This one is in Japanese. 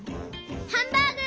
ハンバーグ！